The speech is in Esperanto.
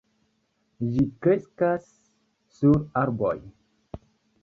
Ĝi kreskas sur arboj.